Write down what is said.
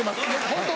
ホント。